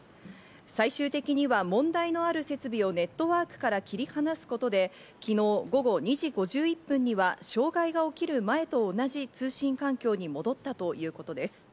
最終的には問題のある設備をネットワークから切り離すことで昨日午後２時５１分には障害が起きる前と同じ通信環境に戻ったということです。